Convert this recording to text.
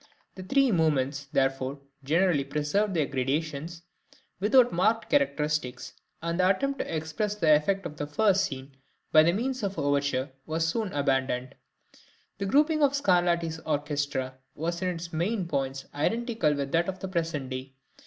The three movements, therefore, generally preserved their gradations without marked characteristics, and the attempt to express the effect of the first scene by means of the overture was soon abandoned. The grouping of Scarlatti's orchestra was in its main points identical with that of the present day.